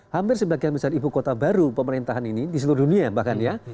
hampir sebagian besar ibu kota baru pemerintahan ini di seluruh dunia bahkan ya